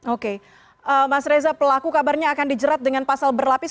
oke mas reza pelaku kabarnya akan dijerat dengan pasal berlapis